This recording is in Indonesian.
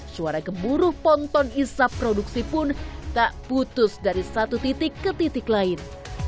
suara gemuruh ponton hisap produksi pun tak putus dari satu titik ke titik lain